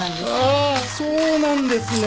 ああそうなんですね！